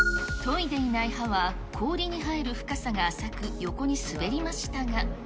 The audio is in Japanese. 研いでいない刃は、氷に入る深さが浅く、横に滑りましたが。